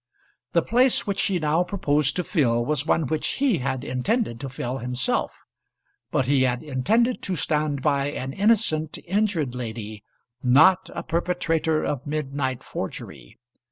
The place which she now proposed to fill was one which he had intended to fill himself; but he had intended to stand by an innocent, injured lady, not a perpetrator of midnight forgery.